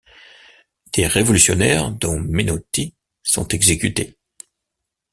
Des révolutionnaires, dont Menotti, sont exécutés.